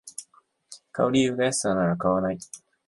買う理由が安さなら買わない